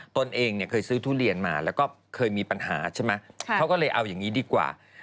ตนเองเนี่ยเคยซื้อทุเรียนมาแล้วก็เคยมีปัญหาใช่ไหมเขาก็เลยเอาอย่างนี้ดีกว่า